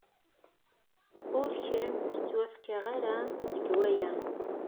Ur kem-ttwafaqeɣ ara deg waya.